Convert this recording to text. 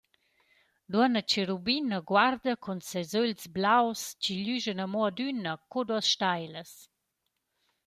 Duonna Cherubina guarda cun seis ögls blaus chi glüschan amo adüna sco duos stailas.